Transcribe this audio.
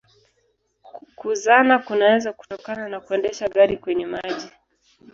Kuzama kunaweza kutokana na kuendesha gari kwenye maji.